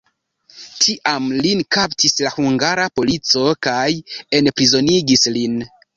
Tiam lin kaptis la hungara polico kaj enprizonigis lin.